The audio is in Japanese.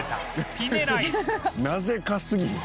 なぜかすぎひん？